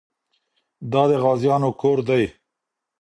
دا د غازيانو کور دی.